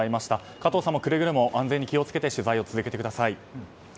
加藤さんもくれぐれも安全に気を付けて取材を続けてください。